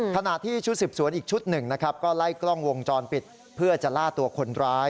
ขณะที่ชุดสืบสวนอีกชุดหนึ่งนะครับก็ไล่กล้องวงจรปิดเพื่อจะล่าตัวคนร้าย